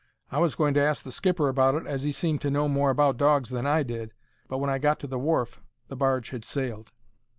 I was going to ask the skipper about it, as 'e seemed to know more about dogs than I did, but when I got to the wharf the barge had sailed.